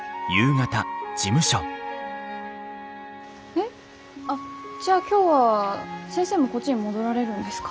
えっあっじゃあ今日は先生もこっちに戻られるんですか？